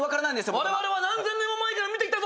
我々は何千年も前から見てきたぞ